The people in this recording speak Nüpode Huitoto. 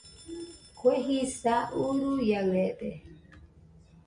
Kue jisa uruiaɨrede